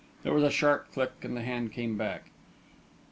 There was a sharp click, and the hand came back.